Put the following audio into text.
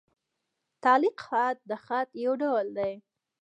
تعلیق خط؛ د خط یو ډول دﺉ.